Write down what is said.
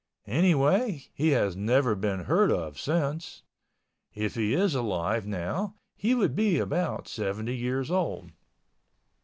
Anyway he has never been heard of since. If he is alive now, he would be about 70 years old.